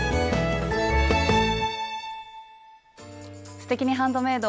「すてきにハンドメイド」